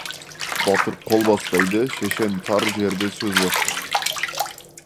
Батыр қол бастайды, шешен тар жерде сөз бастайды.